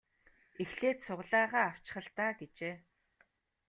Эхлээд сугалаагаа авчих л даа гэжээ.